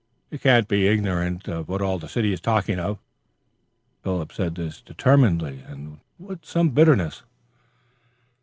You cannot be ignorant of what all the city is talking of." Philip said this determinedly and with some bitterness.